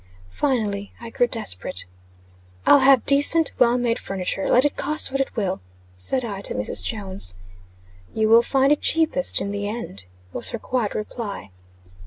Finally, I grew desperate. "I'll have decent, well made furniture, let it cost what it will," said I, to Mrs. Jones. "You will find it cheapest in the end," was her quiet reply.